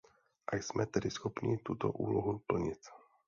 A jsme tedy schopni tuto úlohu plnit.